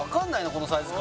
このサイズ感